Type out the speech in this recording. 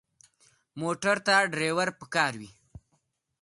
موټر ته ډرېور پکار وي.